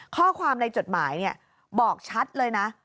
ข้อความในจดหมายบอกชัดเลยนะ